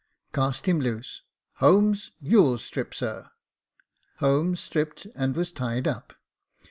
"* Cast him loose — Holmes, you'll strip, sir.' Holmes stripped and was tied up.